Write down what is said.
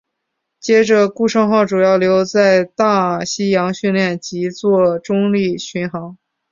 接着顾盛号主要留在大西洋训练及作中立巡航。